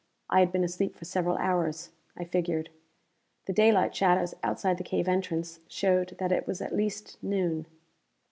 I had been asleep for several hours, I figured. The daylight shadows outside the cave entrance showed that it was at least noon.